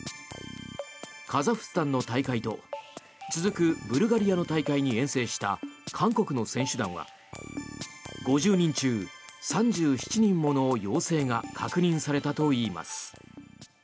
カザフスタンの大会と続くブルガリアの大会に遠征した韓国の選手団は５０人中３７人もの陽性が確認されたといいます。